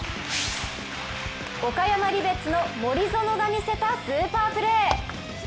岡山リベッツの森薗が見せたスーパープレー。